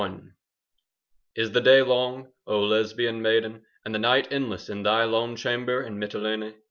LI Is the day long, O Lesbian maiden, And the night endless In thy lone chamber In Mitylene?